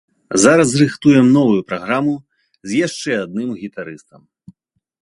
Зараз рыхтуем новую праграму з яшчэ адным гітарыстам.